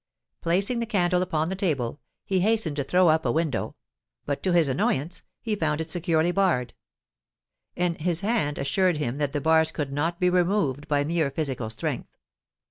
Placing the candle upon the table, he hastened to throw up a window; but, to his annoyance, he found it securely barred:—and his hand assured him that the bars could not be removed by mere physical strength.